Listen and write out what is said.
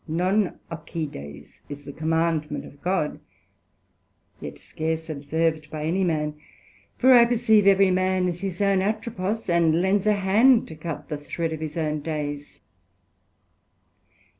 Non occides, is the Commandment of God, yet scarce observed by any man; for I perceive every man is his own Atropos, and lends a hand to cut the thred of his own days.